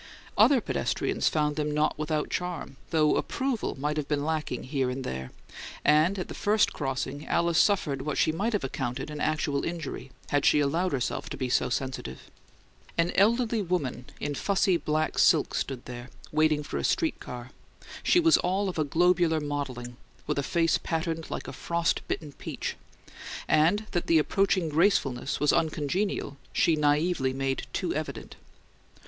Other pedestrians found them not without charm, though approval may have been lacking here and there, and at the first crossing Alice suffered what she might have accounted an actual injury, had she allowed herself to be so sensitive. An elderly woman in fussy black silk stood there, waiting for a streetcar; she was all of a globular modelling, with a face patterned like a frost bitten peach; and that the approaching gracefulness was uncongenial she naively made too evident.